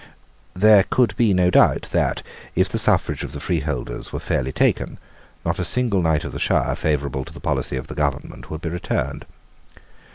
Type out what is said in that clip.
There could be no doubt that, if the suffrage of the freeholders were fairly taken, not a single knight of the shire favourable to the policy of the government would be returned.